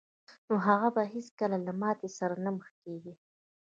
نو هغه به هېڅکله له ماتې سره نه مخ کېږي